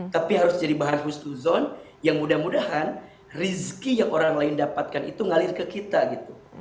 tapi harus jadi bahan hustuzon yang mudah mudahan rizki yang orang lain dapatkan itu ngalir ke kita gitu